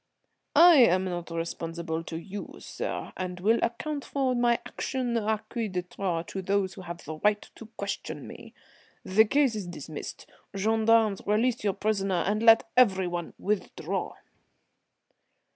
"I am not responsible to you, sir, and will account for my action à qui de droit, to those who have the right to question me. The case is dismissed. Gendarmes, release your prisoner, and let everyone withdraw."